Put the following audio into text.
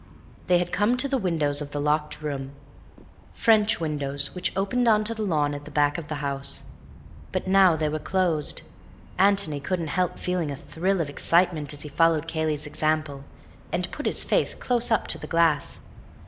They had come to the windows of the locked room, French windows which opened on to the lawns at the back of the house. But now they were closed. Antony couldn't help feeling a thrill of excitement as he followed Cayley's example, and put his face close up to the glass.